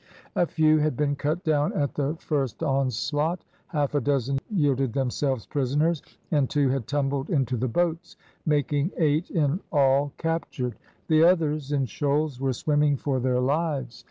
A few had been cut down at the first onslaught; half a dozen yielded themselves prisoners, and two had tumbled into the boats, making eight in all captured. The others, in shoals, were swimming for their lives.